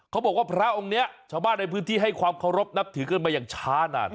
เขาบอกว่าพระองค์นี้ชาวบ้านในพื้นที่ให้ความเคารพนับถือกันมาอย่างช้านาน